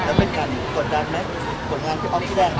แล้วเป็นการกดดันไหมผลงานพี่อ๊อฟที่แรก